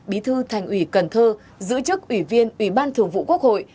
bí thư thành ủy cần thơ giữ chức ủy viên ủy ban thường vụ quốc hội